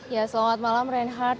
ya selamat malam renhard